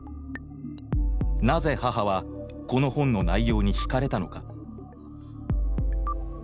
なぜ母はこの本の内容にひかれたのか。